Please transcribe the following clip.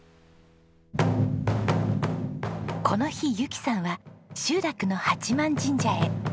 この日由紀さんは集落の八幡神社へ。